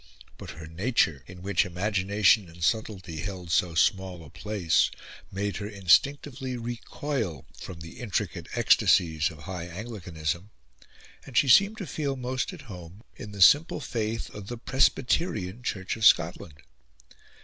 But her nature, in which imagination and subtlety held so small a place, made her instinctively recoil from the intricate ecstasies of High Anglicanism; and she seemed to feel most at home in the simple faith of the Presbyterian Church of Scotland.